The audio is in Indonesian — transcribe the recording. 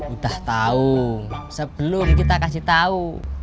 udah tahu sebelum kita kasih tahu